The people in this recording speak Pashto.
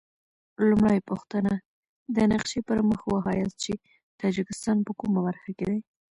لومړۍ پوښتنه: د نقشې پر مخ وښایاست چې تاجکستان په کومه برخه کې دی؟